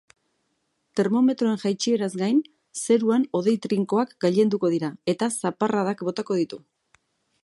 Termometroen jaitsieraz gain, zeruan hodei trinkoak gailenduko dira eta zaparradak botako ditu.